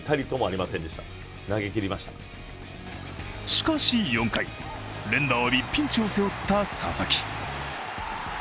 しかし４回、連打を浴びピンチを背負った佐々木。